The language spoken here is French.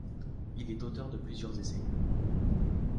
Il est l'auteur de plusieurs essais.